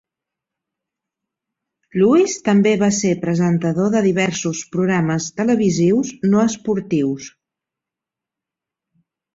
Lewis també va ser presentador de diversos programes televisius no esportius.